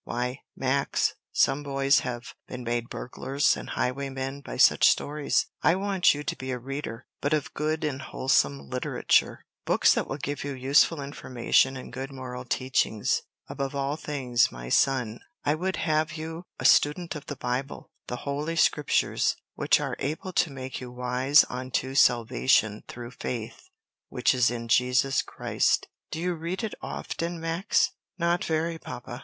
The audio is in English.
Why, Max, some boys have been made burglars and highwaymen by such stories. I want you to be a reader, but of good and wholesome literature; books that will give you useful information and good moral teachings; above all things, my son, I would have you a student of the Bible, 'the holy Scriptures, which are able to make you wise unto salvation through faith which is in Jesus Christ.' Do you read it often, Max?" "Not very, papa.